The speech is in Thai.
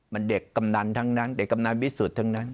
มันเด็กกำนันทั้งนั้นเด็กกำนันวิสุทธิ์ทั้งนั้น